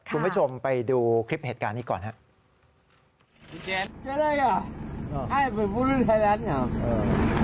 คุณผู้ชมไปดูคลิปเหตุการณ์นี้ก่อนครับ